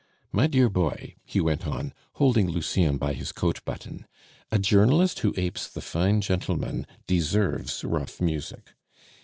My dear boy," he went on, holding Lucien by his coat button, "a journalist who apes the fine gentleman deserves rough music.